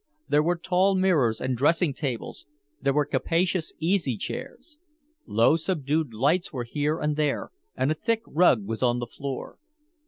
There were tall mirrors and dressing tables, there were capacious easy chairs. Low subdued lights were here and there, and a thick rug was on the floor.